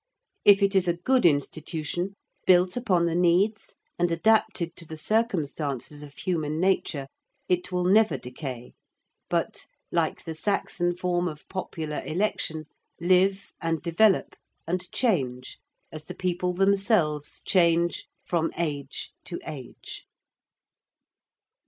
If it is a good institution, built upon the needs and adapted to the circumstances of human nature, it will never decay but, like the Saxon form of popular election, live and develop and change as the people themselves change from age to age.